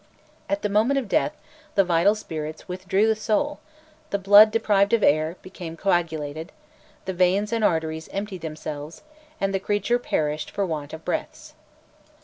At the moment of death, the vital spirits "withdrew with the soul; the blood," deprived of air, "became coagulated, the veins and arteries emptied themselves, and the creature perished" for want of breaths.